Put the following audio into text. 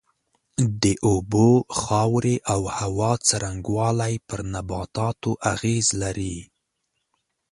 د اوبو، خاورې او هوا څرنگوالی پر نباتاتو اغېز لري.